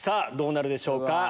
どうなるでしょうか。